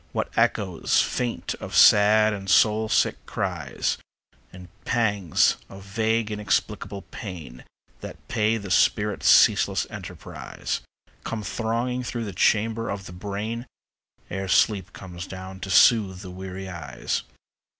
What echoes faint of sad and soul sick cries, And pangs of vague inexplicable pain That pay the spirit's ceaseless enterprise, Come thronging through the chambers of the brain Ere sleep comes down to soothe the weary eyes.